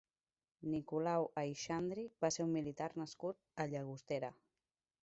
Nicolau Aixandri va ser un militar nascut a Llagostera.